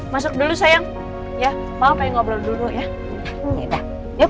masuk dulu sayang